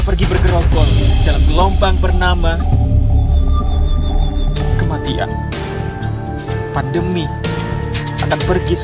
mereka tidak membuat diri mereka